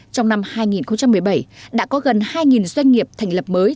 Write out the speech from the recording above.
trong năm hai nghìn một mươi bảy đã có gần hai doanh nghiệp thành lập mới